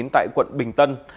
tại quận bình tân